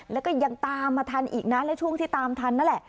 แล้วก็ยังตามมาทันอีกนะและช่วงที่ตามทันนั่นแหละ